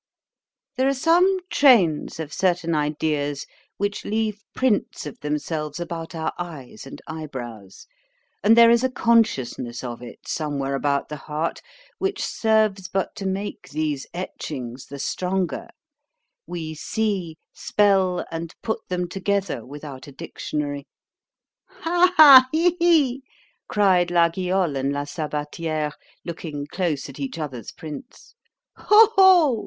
There are some trains of certain ideas which leave prints of themselves about our eyes and eye brows; and there is a consciousness of it, somewhere about the heart, which serves but to make these etchings the stronger—we see, spell, and put them together without a dictionary. Ha, ha! he, hee! cried La Guyol and La Sabatiere, looking close at each other's prints——Ho, ho!